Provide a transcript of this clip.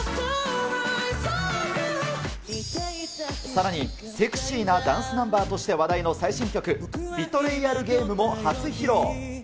さらにセクシーなダンスナンバーとして話題の最新曲、ビトレイアルゲームも初披露。